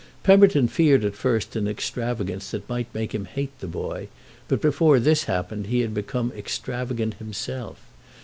Pemberton feared at first an extravagance that might make him hate the boy, but before this happened he had become extravagant himself.